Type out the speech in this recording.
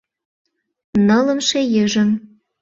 Нылымше йыжыҥ